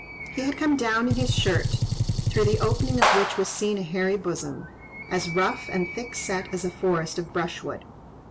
He had come down in his shirt, through the opening of which was seen a hairy bosom, as rough and thick set as a forest of brushwood.